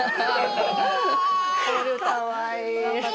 かわいい！